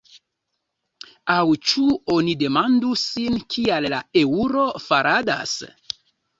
Aŭ ĉu oni demandu sin kial la eŭro faladas?